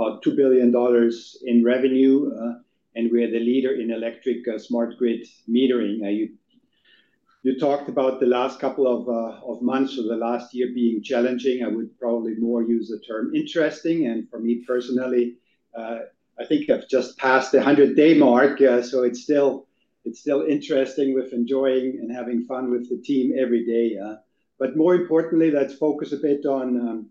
About $2 billion in revenue, and we are the leader in electric smart grid metering. You talked about the last couple of months of the last year being challenging. I would probably more use the term interesting. For me personally, I think I've just passed the 100-day mark, so it's still interesting with enjoying and having fun with the team every day. More importantly, let's focus a bit on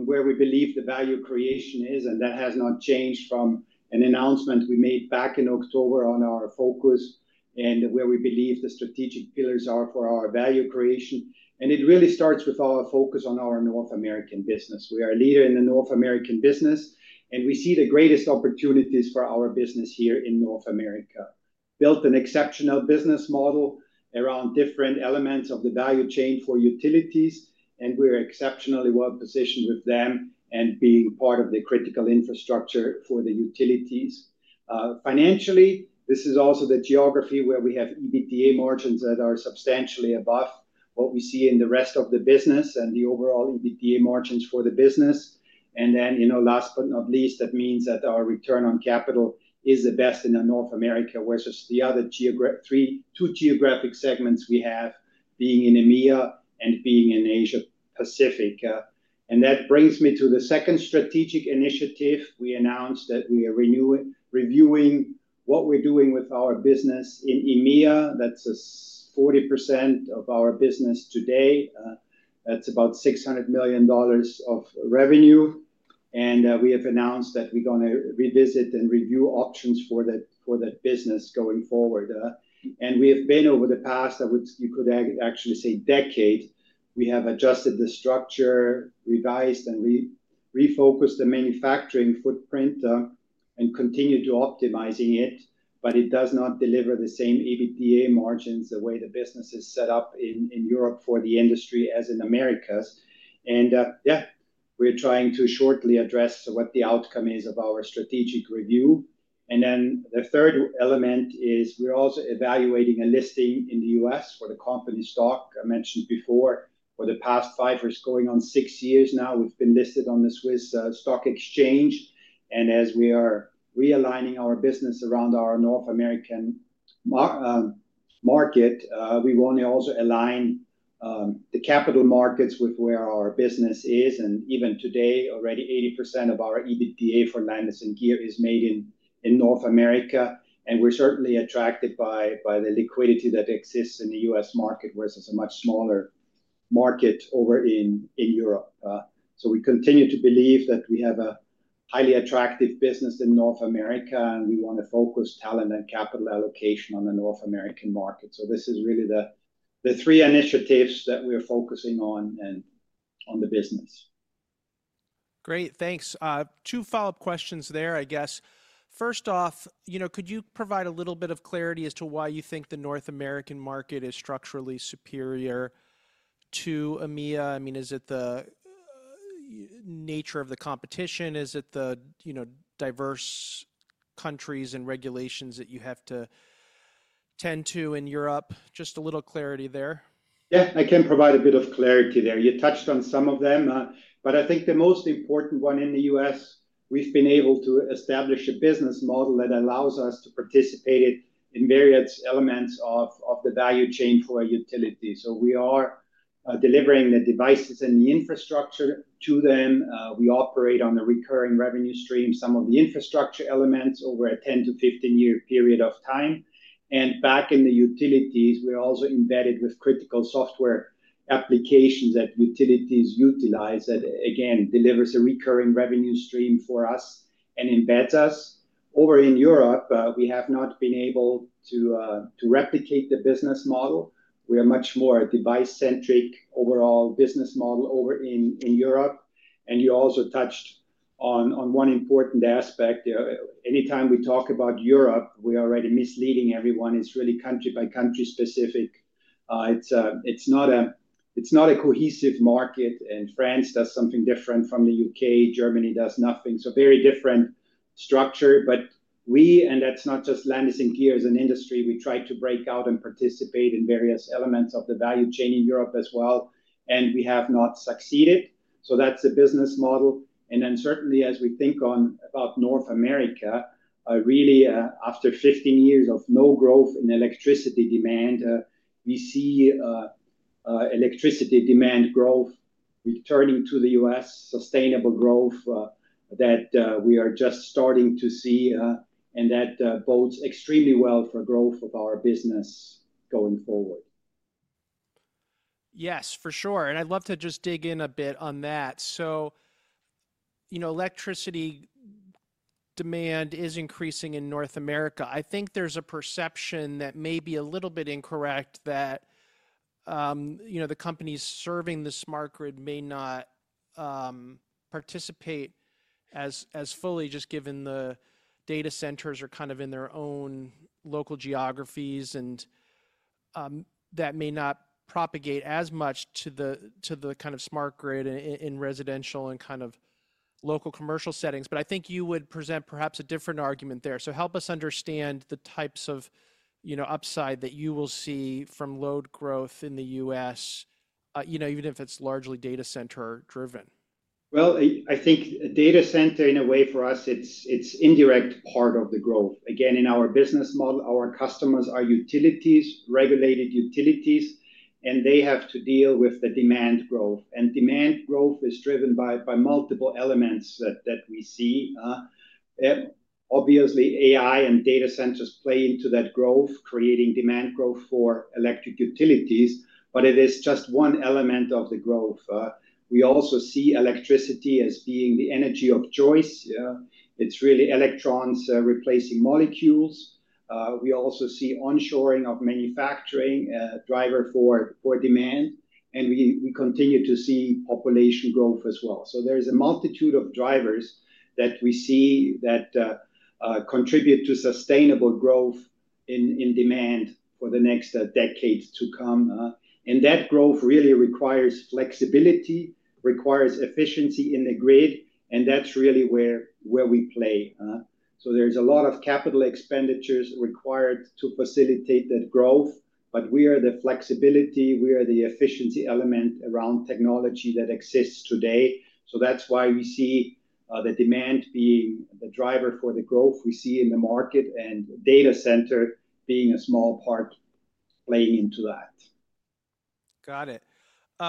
where we believe the value creation is, and that has not changed from an announcement we made back in October on our focus and where we believe the strategic pillars are for our value creation. It really starts with our focus on our North American business. We are a leader in the North American business, and we see the greatest opportunities for our business here in North America. Built an exceptional business model around different elements of the value chain for utilities, and we're exceptionally well positioned with them and being part of the critical infrastructure for the utilities. Financially, this is also the geography where we have EBITDA margins that are substantially above what we see in the rest of the business and the overall EBITDA margins for the business. Then, last but not least, that means that our return on capital is the best in North America, whereas the other two geographic segments we have, being in EMEA and being in Asia Pacific. That brings me to the second strategic initiative. We announced that we are reviewing what we're doing with our business in EMEA. That's 40% of our business today. That's about $600 million of revenue. We have announced that we're going to revisit and review options for that business going forward. And we have been over the past, I would say you could actually say, decade, we have adjusted the structure, revised, and refocused the manufacturing footprint and continued to optimize it, but it does not deliver the same EBITDA margins the way the business is set up in Europe for the industry as in America. And yeah, we're trying to shortly address what the outcome is of our strategic review. And then the third element is we're also evaluating a listing in the U.S. for the company stock I mentioned before for the past five years, going on six years now. We've been listed on the Swiss Stock Exchange. And as we are realigning our business around our North American market, we want to also align the capital markets with where our business is. And even today, already 80% of our EBITDA for Landis+Gyr is made in North America. We're certainly attracted by the liquidity that exists in the U.S. market, whereas it's a much smaller market over in Europe. We continue to believe that we have a highly attractive business in North America, and we want to focus talent and capital allocation on the North American market. This is really the three initiatives that we are focusing on and on the business. Great. Thanks. Two follow-up questions there, I guess. First off, could you provide a little bit of clarity as to why you think the North American market is structurally superior to EMEA? I mean, is it the nature of the competition? Is it the diverse countries and regulations that you have to tend to in Europe? Just a little clarity there. Yeah, I can provide a bit of clarity there. You touched on some of them, but I think the most important one in the U.S., we've been able to establish a business model that allows us to participate in various elements of the value chain for utilities. So we are delivering the devices and the infrastructure to them. We operate on a recurring revenue stream, some of the infrastructure elements over a 10-15-year period of time. And back in the utilities, we're also embedded with critical software applications that utilities utilize that, again, delivers a recurring revenue stream for us and embeds us. Over in Europe, we have not been able to replicate the business model. We are much more a device-centric overall business model over in Europe. And you also touched on one important aspect. Anytime we talk about Europe, we are already misleading everyone. It's really country-by-country specific. It's not a cohesive market. And France does something different from the U.K. Germany does nothing. So very different structure. But we, and that's not just Landis+Gyr as an industry, we try to break out and participate in various elements of the value chain in Europe as well. And we have not succeeded. So that's the business model. And then certainly, as we think about North America, really, after 15 years of no growth in electricity demand, we see electricity demand growth returning to the U.S., sustainable growth that we are just starting to see, and that bodes extremely well for growth of our business going forward. Yes, for sure, and I'd love to just dig in a bit on that, so electricity demand is increasing in North America. I think there's a perception that may be a little bit incorrect that the companies serving the smart grid may not participate as fully, just given the data centers are kind of in their own local geographies, and that may not propagate as much to the kind of smart grid in residential and kind of local commercial settings, but I think you would present perhaps a different argument there, so help us understand the types of upside that you will see from load growth in the U.S., even if it's largely data center-driven. I think data center, in a way, for us, it's an indirect part of the growth. Again, in our business model, our customers are utilities, regulated utilities, and they have to deal with the demand growth. Demand growth is driven by multiple elements that we see. Obviously, AI and data centers play into that growth, creating demand growth for electric utilities, but it is just one element of the growth. We also see electricity as being the energy of choice. It's really electrons replacing molecules. We also see onshoring of manufacturing, a driver for demand, and we continue to see population growth as well. There is a multitude of drivers that we see that contribute to sustainable growth in demand for the next decades to come. That growth really requires flexibility, requires efficiency in the grid, and that's really where we play. So there's a lot of capital expenditures required to facilitate that growth, but we are the flexibility, we are the efficiency element around technology that exists today. So that's why we see the demand being the driver for the growth we see in the market and data center being a small part playing into that. Got it.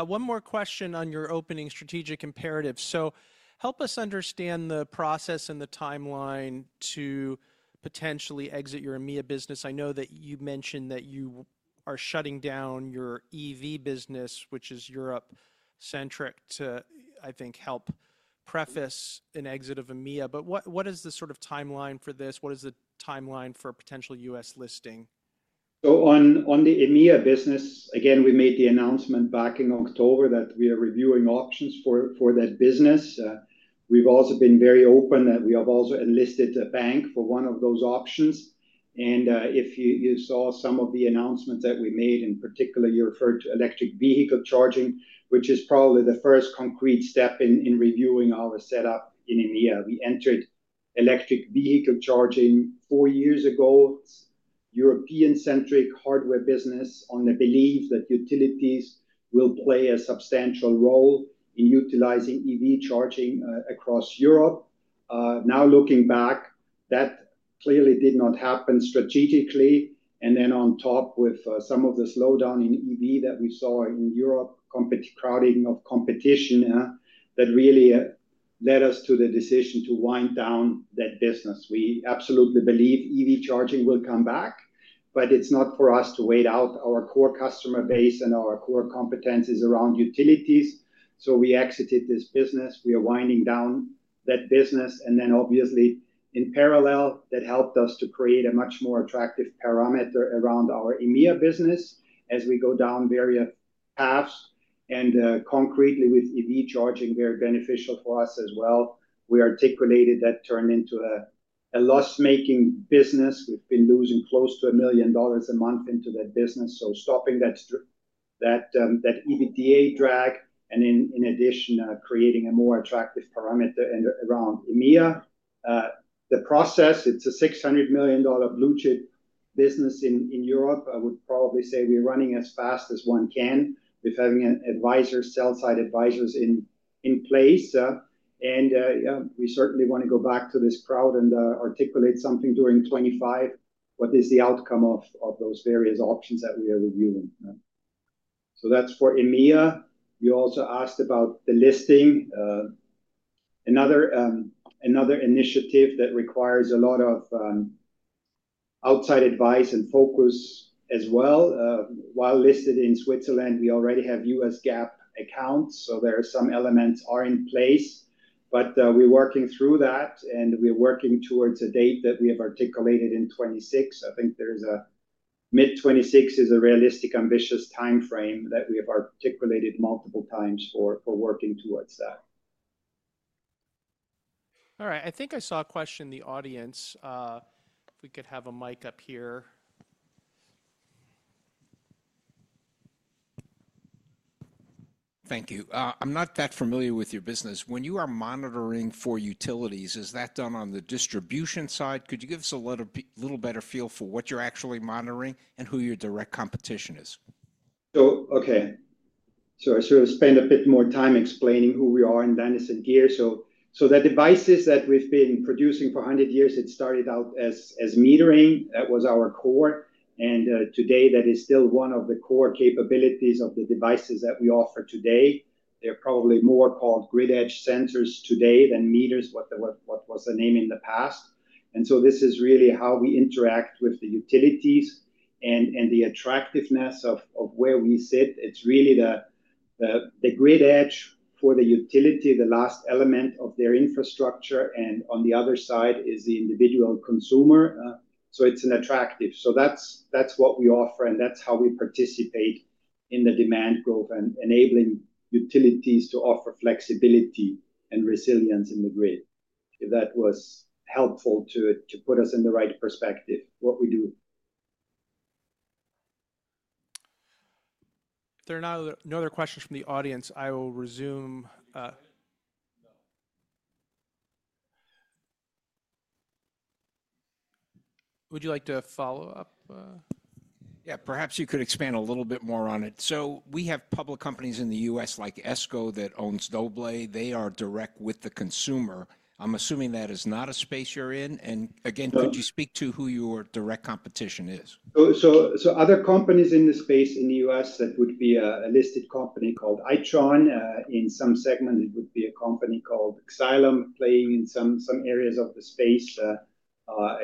One more question on your opening strategic imperative. So help us understand the process and the timeline to potentially exit your EMEA business. I know that you mentioned that you are shutting down your EV business, which is Europe-centric to, I think, help process an exit of EMEA. But what is the sort of timeline for this? What is the timeline for potential U.S. listing? So on the EMEA business, again, we made the announcement back in October that we are reviewing options for that business. We've also been very open that we have also enlisted a bank for one of those options. And if you saw some of the announcements that we made, in particular, you referred to electric vehicle charging, which is probably the first concrete step in reviewing our setup in EMEA. We entered electric vehicle charging four years ago. It's a European-centric hardware business on the belief that utilities will play a substantial role in utilizing EV charging across Europe. Now looking back, that clearly did not happen strategically. And then on top with some of the slowdown in EV that we saw in Europe, crowding of competition that really led us to the decision to wind down that business. We absolutely believe EV charging will come back, but it's not for us to wait out our core customer base and our core competencies around utilities. We exited this business. We are winding down that business. Then obviously, in parallel, that helped us to create a much more attractive parameter around our EMEA business as we go down various paths. Concretely, with EV charging, very beneficial for us as well. We articulated that turn into a loss-making business. We've been losing close to $1 million a month into that business. Stopping that EBITDA drag and in addition, creating a more attractive parameter around EMEA. The process, it's a $600 million blue chip business in Europe. I would probably say we're running as fast as one can with having advisors, sell-side advisors in place. And we certainly want to go back to this crowd and articulate something during 2025, what is the outcome of those various options that we are reviewing. So that's for EMEA. You also asked about the listing. Another initiative that requires a lot of outside advice and focus as well. While listed in Switzerland, we already have U.S. GAAP accounts. So there are some elements in place, but we're working through that, and we're working towards a date that we have articulated in 2026. I think there is a mid-2026 is a realistic, ambitious timeframe that we have articulated multiple times for working towards that. All right. I think I saw a question in the audience. If we could have a mic up here. Thank you. I'm not that familiar with your business. When you are monitoring for utilities, is that done on the distribution side? Could you give us a little better feel for what you're actually monitoring and who your direct competition is? So, okay. So I should have spent a bit more time explaining who we are in Landis+Gyr. So the devices that we've been producing for 100 years, it started out as metering. That was our core. And today, that is still one of the core capabilities of the devices that we offer today. They're probably more called grid edge sensors today than meters, what was the name in the past. And so this is really how we interact with the utilities and the attractiveness of where we sit. It's really the grid edge for the utility, the last element of their infrastructure. And on the other side is the individual consumer. So it's an attractive. So that's what we offer, and that's how we participate in the demand growth and enabling utilities to offer flexibility and resilience in the grid. If that was helpful to put us in the right perspective, what we do. There are no other questions from the audience. I will resume. Would you like to follow up? Yeah, perhaps you could expand a little bit more on it. So we have public companies in the U.S. like ESCO that owns Doble. They are direct with the consumer. I'm assuming that is not a space you're in. And again, could you speak to who your direct competition is? So other companies in the space in the U.S., that would be a listed company called Itron. In some segment, it would be a company called Xylem playing in some areas of the space.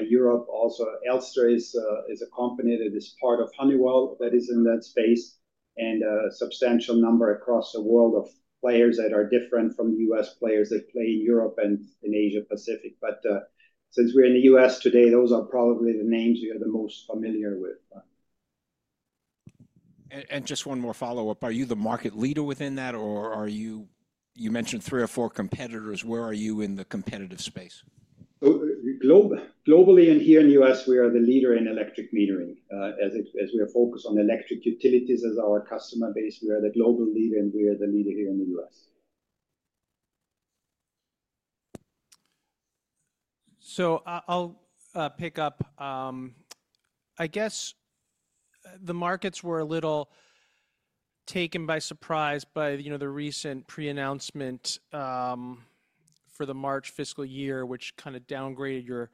Europe also, ELSTER is a company that is part of Honeywell that is in that space and a substantial number across the world of players that are different from U.S. players that play in Europe and in Asia-Pacific. But since we're in the U.S. today, those are probably the names you're the most familiar with. Just one more follow-up. Are you the market leader within that, or are you? You mentioned three or four competitors. Where are you in the competitive space? Globally and here in the U.S., we are the leader in electric metering. As we are focused on electric utilities as our customer base, we are the global leader and we are the leader here in the U.S. So I'll pick up. I guess the markets were a little taken by surprise by the recent pre-announcement for the March fiscal year, which kind of downgraded your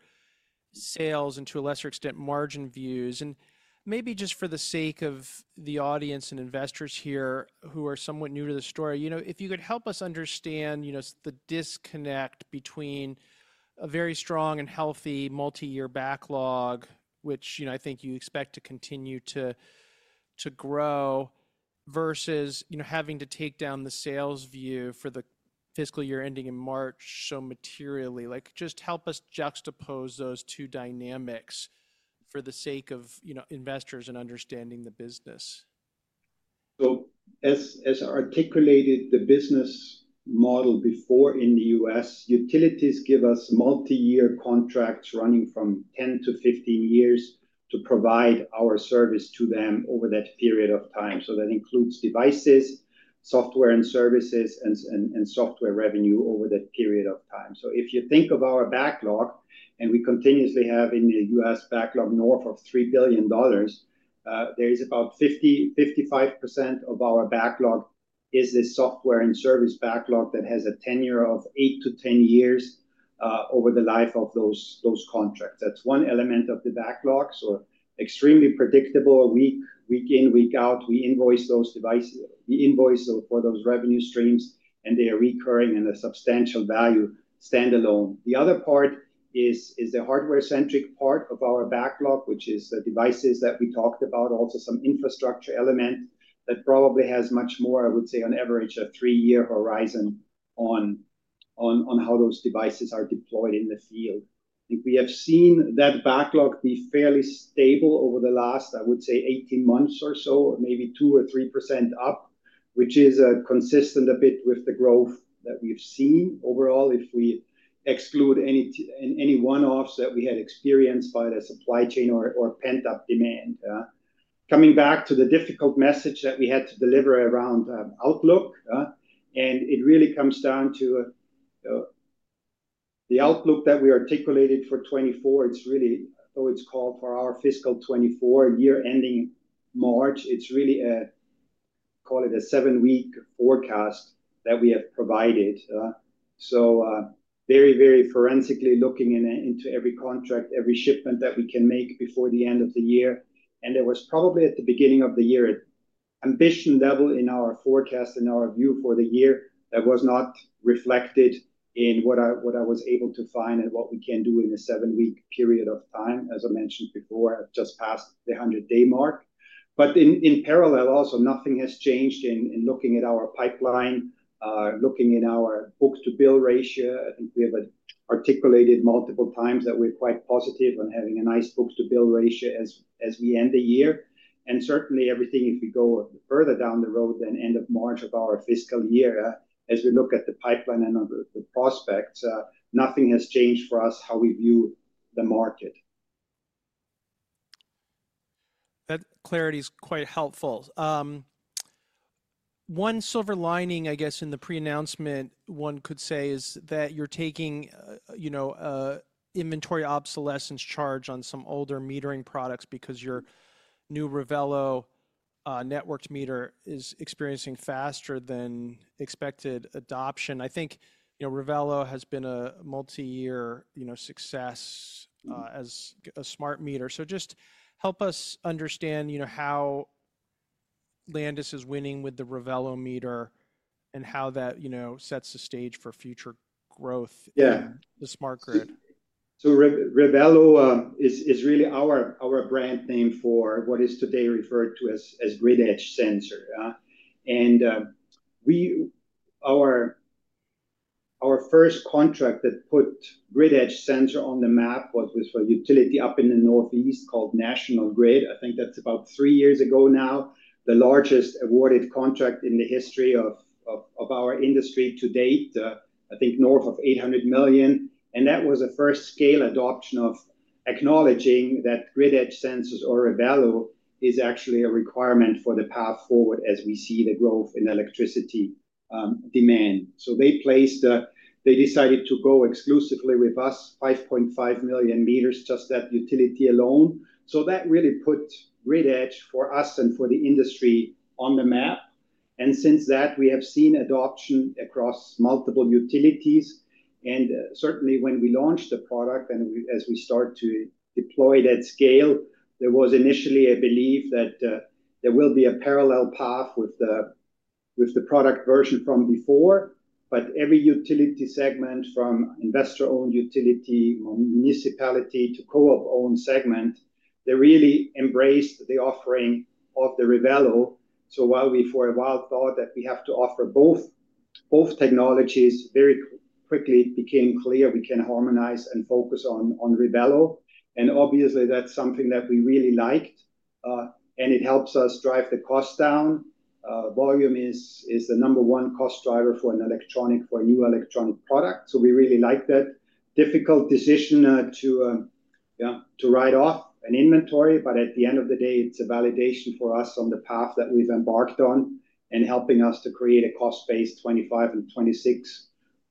sales and, to a lesser extent, margin views. And maybe just for the sake of the audience and investors here who are somewhat new to the story, if you could help us understand the disconnect between a very strong and healthy multi-year backlog, which I think you expect to continue to grow, versus having to take down the sales view for the fiscal year ending in March so materially. Just help us juxtapose those two dynamics for the sake of investors and understanding the business. So as articulated the business model before in the U.S., utilities give us multi-year contracts running from 10 to 15 years to provide our service to them over that period of time. So that includes devices, software and services, and software revenue over that period of time. So if you think of our backlog, and we continuously have in the U.S. backlog north of $3 billion, there is about 50%-55% of our backlog is this software and service backlog that has a tenure of eight to 10 years over the life of those contracts. That's one element of the backlog. So extremely predictable, week in, week out, we invoice those devices, we invoice for those revenue streams, and they are recurring and a substantial value standalone. The other part is the hardware-centric part of our backlog, which is the devices that we talked about, also some infrastructure element that probably has much more, I would say, on average, a three-year horizon on how those devices are deployed in the field. We have seen that backlog be fairly stable over the last, I would say, 18 months or so, maybe 2% or 3% up, which is consistent a bit with the growth that we've seen overall if we exclude any one-offs that we had experienced by the supply chain or pent-up demand. Coming back to the difficult message that we had to deliver around Outlook, and it really comes down to the Outlook that we articulated for 2024. It's really, though it's called for our fiscal 2024 year ending March, it's really, call it a seven-week forecast that we have provided. Very, very forensically looking into every contract, every shipment that we can make before the end of the year. And there was probably at the beginning of the year, ambition level in our forecast and our view for the year that was not reflected in what I was able to find and what we can do in a seven-week period of time. As I mentioned before, I've just passed the 100-day mark. But in parallel, also nothing has changed in looking at our pipeline, looking at our book-to-bill ratio. I think we have articulated multiple times that we're quite positive on having a nice book-to-bill ratio as we end the year. And certainly, everything if we go further down the road than end of March of our fiscal year, as we look at the pipeline and the prospects, nothing has changed for us how we view the market. That clarity is quite helpful. One silver lining, I guess, in the pre-announcement, one could say is that you're taking inventory obsolescence charge on some older metering products because your new Revelo network meter is experiencing faster than expected adoption. I think Revelo has been a multi-year success as a smart meter. So just help us understand how Landis+Gyr is winning with the Revelo meter and how that sets the stage for future growth in the smart grid. Yeah. So Revelo is really our brand name for what is today referred to as grid edge sensor, and our first contract that put grid edge sensor on the map was with a utility up in the Northeast called National Grid. I think that's about three years ago now, the largest awarded contract in the history of our industry to date, I think north of $800 million, and that was a first scale adoption of acknowledging that grid edge sensors or Revelo is actually a requirement for the path forward as we see the growth in electricity demand. So they placed, they decided to go exclusively with us, 5.5 million meters, just that utility alone. So that really put grid edge for us and for the industry on the map, and since that, we have seen adoption across multiple utilities. Certainly, when we launched the product and as we start to deploy that at scale, there was initially a belief that there will be a parallel path with the product version from before. But every utility segment, from investor-owned utility or municipality to co-op-owned segment, they really embraced the offering of the Revelo. So while we for a while thought that we have to offer both technologies, very quickly became clear we can harmonize and focus on Revelo. And obviously, that's something that we really liked. And it helps us drive the cost down. Volume is the number one cost driver for a new electronic product. So we really like that. Difficult decision to write off an inventory, but at the end of the day, it's a validation for us on the path that we've embarked on and helping us to create a cost-based 2025 and 2026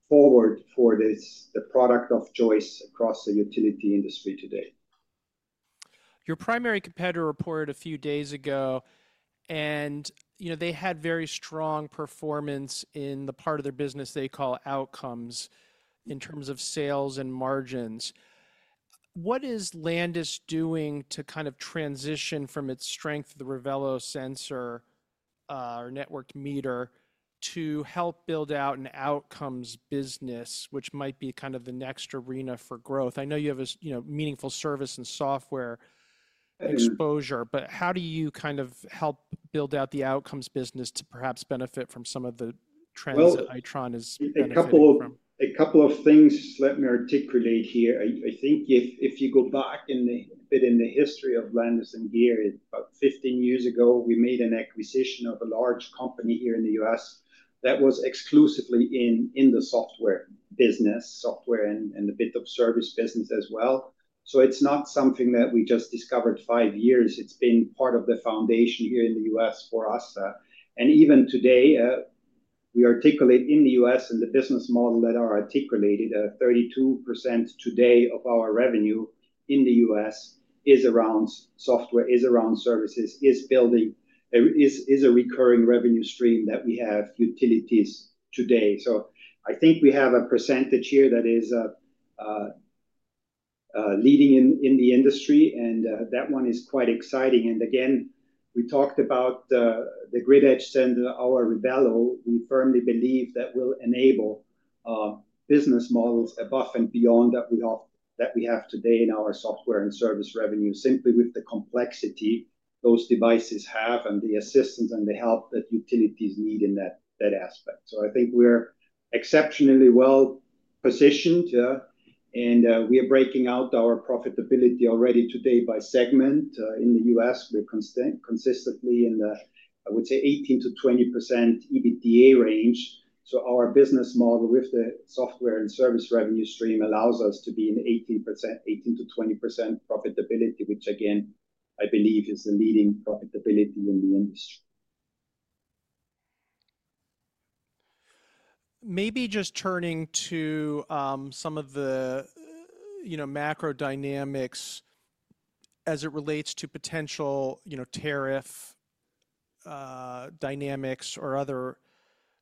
forward for the product of choice across the utility industry today. Your primary competitor reported a few days ago, and they had very strong performance in the part of their business they call outcomes in terms of sales and margins. What is Landis+Gyr doing to kind of transition from its strength, the Revelo sensor or network meter, to help build out an outcomes business, which might be kind of the next arena for growth? I know you have a meaningful service and software exposure, but how do you kind of help build out the outcomes business to perhaps benefit from some of the trends that Itron has been experiencing? A couple of things let me articulate here. I think if you go back a bit in the history of Landis+Gyr, about 15 years ago, we made an acquisition of a large company here in the U.S. that was exclusively in the software business, software and a bit of service business as well. So it's not something that we just discovered five years. It's been part of the foundation here in the U.S. for us. And even today, we articulate in the U.S. and the business model that are articulated, 32% today of our revenue in the U.S. is around software, is around services, is building, is a recurring revenue stream that we have utilities today. So I think we have a percentage here that is leading in the industry, and that one is quite exciting. And again, we talked about the grid edge sensor, our Revelo. We firmly believe that will enable business models above and beyond that we have today in our software and service revenue simply with the complexity those devices have and the assistance and the help that utilities need in that aspect. So I think we're exceptionally well positioned, and we are breaking out our profitability already today by segment. In the U.S., we're consistently in the, I would say, 18%-20% EBITDA range. So our business model with the software and service revenue stream allows us to be in 18%, 18%-20% profitability, which again, I believe is the leading profitability in the industry. Maybe just turning to some of the macro dynamics as it relates to potential tariff dynamics or other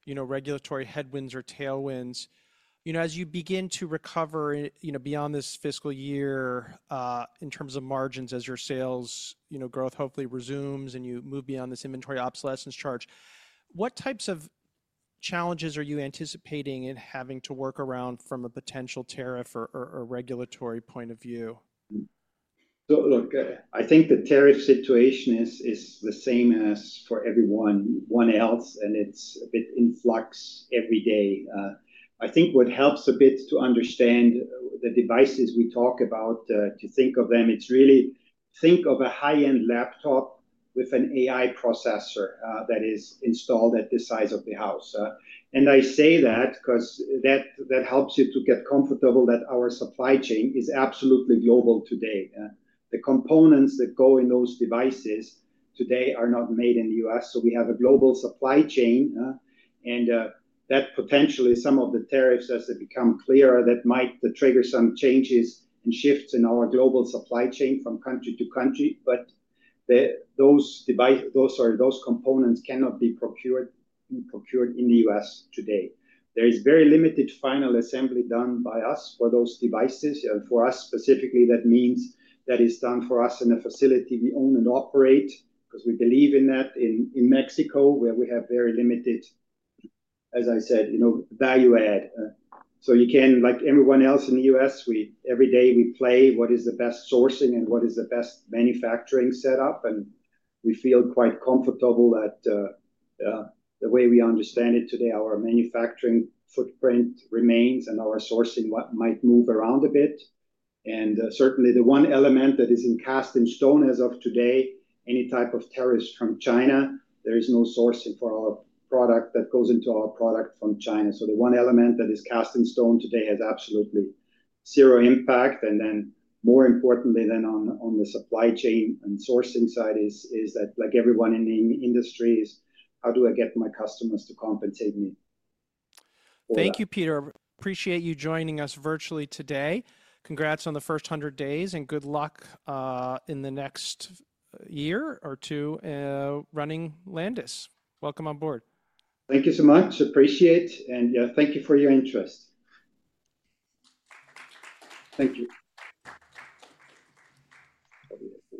regulatory headwinds or tailwinds. As you begin to recover beyond this fiscal year in terms of margins as your sales growth hopefully resumes and you move beyond this inventory obsolescence charge, what types of challenges are you anticipating in having to work around from a potential tariff or regulatory point of view? So look, I think the tariff situation is the same as for everyone else, and it's a bit in flux every day. I think what helps a bit to understand the devices we talk about, to think of them. It's really think of a high-end laptop with an AI processor that is installed at the side of the house. And I say that because that helps you to get comfortable that our supply chain is absolutely global today. The components that go in those devices today are not made in the U.S. So we have a global supply chain, and that potentially some of the tariffs, as they become clearer, that might trigger some changes and shifts in our global supply chain from country to country. But those components cannot be procured in the U.S. today. There is very limited final assembly done by us for those devices. For us specifically, that means that is done for us in a facility we own and operate because we believe in that in Mexico, where we have very limited, as I said, value add. So you can, like everyone else in the U.S., every day we play what is the best sourcing and what is the best manufacturing setup. And we feel quite comfortable that the way we understand it today, our manufacturing footprint remains and our sourcing might move around a bit. And certainly, the one element that is cast in stone as of today, any type of tariffs from China, there is no sourcing for our product that goes into our product from China. So the one element that is cast in stone today has absolutely zero impact. More importantly than on the supply chain and sourcing side is that, like everyone in the industry is, how do I get my customers to compensate me? Thank you, Peter. Appreciate you joining us virtually today. Congrats on the first 100 days and good luck in the next year or two running Landis. Welcome on board. Thank you so much. Appreciate it. And yeah, thank you for your interest. Thank you.